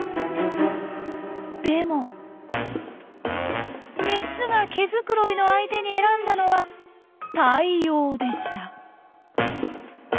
でもメスが毛づくろいの相手に選んだのはタイヨウでした。